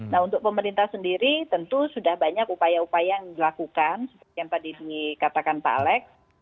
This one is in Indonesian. nah untuk pemerintah sendiri tentu sudah banyak upaya upaya yang dilakukan seperti yang tadi dikatakan pak alex